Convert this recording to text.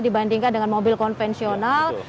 dibandingkan dengan mobil konvensional